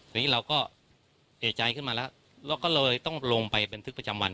ทีนี้เราก็เอกใจขึ้นมาแล้วเราก็เลยต้องลงไปบันทึกประจำวัน